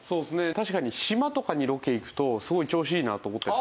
確かに島とかにロケ行くとすごい調子いいなと思ったりするんですよね。